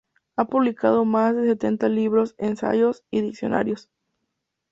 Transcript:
Ha publicado más de setenta de libros, ensayos y diccionarios.